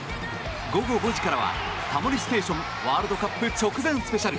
午後５時からは「タモリステーションワールドカップ直前ＳＰ」。